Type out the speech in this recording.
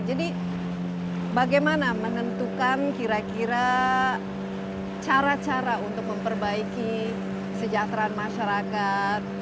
bagaimana menentukan kira kira cara cara untuk memperbaiki kesejahteraan masyarakat